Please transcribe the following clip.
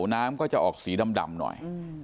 น้ำก็จะออกสีดำหน่อย